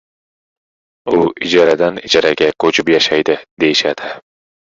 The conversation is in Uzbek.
u ijaradan- ijaraga ko‘chib yashaydi, deyishdi.